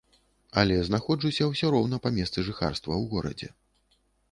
Але знаходжуся ўсё роўна па месцы жыхарства, у горадзе.